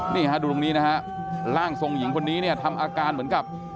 นี่ดูตรงนี้นะครับร่างทรงผู้หญิงคนนี้ทำอาการเหมือนกับ